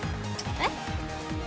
えっ？